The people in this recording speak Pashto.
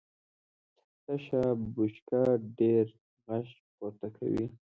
تشه بشکه ډېر غږ پورته کوي .